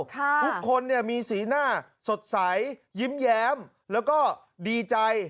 ทุกคนมีสีหน้าสดใสยิ้มแย้มแล้วก็ดีใจ